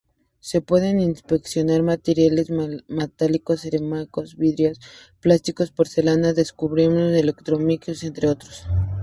Se pueden inspeccionar materiales metálicos, cerámicos vidriados, plásticos, porcelanas, recubrimientos electroquímicos, entre otros.